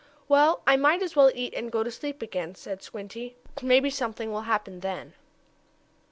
"Well, I might as well eat and go to sleep again," said Squinty, "Maybe something will happen then."